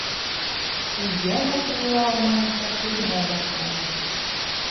Ул йәнә тыйыла алмайынса һүгенә башланы.